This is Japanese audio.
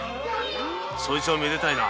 そいつはめでたいな。